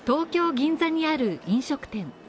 銀座にある飲食店。